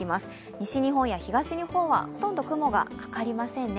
西日本や東日本はほとんど雲がかかりませんね。